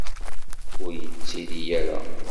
Ur itelli ara.